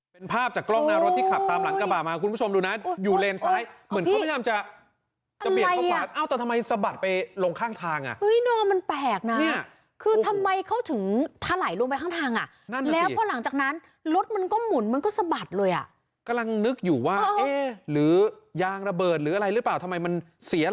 เป็นภาพจากกล้องหน้ารถที่ขับตามหลังกระบะมาคุณผู้ชมดูนะอยู่เลนซ้ายเหมือนเขาพยายามจะจะเบี่ยงเข้าขวาเอ้าแต่ทำไมสะบัดไปลงข้างทางอ่ะมันแปลกนะเนี่ยคือทำไมเขาถึงถลายลงไปข้างทางอ่ะนั่นแล้วพอหลังจากนั้นรถมันก็หมุนมันก็สะบัดเลยอ่ะกำลังนึกอยู่ว่าเอ๊ะหรือยางระเบิดหรืออะไรหรือเปล่าทำไมมันเสีย